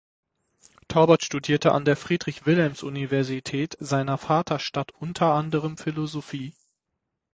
Taubert studierte an der Friedrich-Wilhelms-Universität seiner Vaterstadt unter anderem Philosophie.